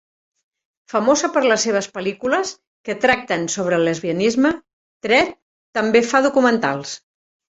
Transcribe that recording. Famosa per les seves pel·lícules que tracten sobre el lesbianisme, Treut també fa documentals.